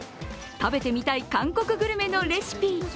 食べてみたい韓国グルメのレシピ。